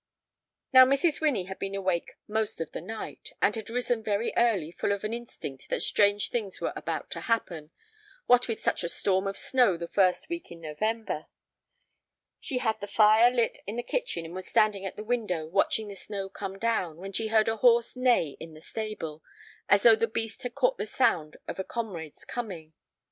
Now Mrs. Winnie had been awake most of the night, and had risen very early full of an instinct that strange things were about to happen, what with such a storm of snow the first week in November. She had lit the fire in the kitchen and was standing at the window watching the snow come down when she heard a horse neigh in the stable, as though the beast had caught the sound of a comrade's coming.